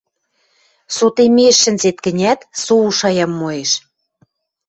Сотеммеш шӹнзет гӹнят, со у шаям моэш.